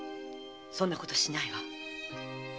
そんなことしないわ。